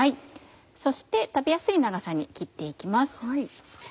そして食べやすい長さに切って行きます。